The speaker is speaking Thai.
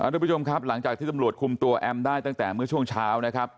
ทุกผู้ชมครับหลังจากที่ตำรวจคุมตัวแอมได้ตั้งแต่เมื่อช่วงเช้านะครับ